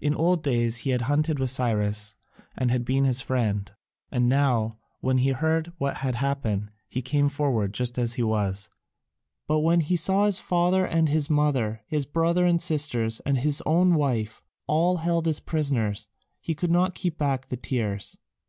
In old days he had hunted with Cyrus and been his friend, and now, when he heard what had happened, he came forward just as he was; but when he saw his father and his mother, his brother and sisters, and his own wife all held as prisoners, he could not keep back the tears.